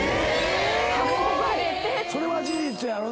それは事実やろうね。